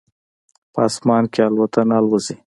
په اسمان کې الوتکه الوزي